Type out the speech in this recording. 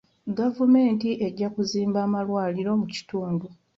Gavumenti ejja kuzimba amalwaliro mu kitundu.